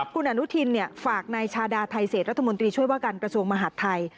คุณอนุทินฝากนายชาดาไทเศษรัฐมนตรีช่วยว่าการกระทรวงมหาดไทย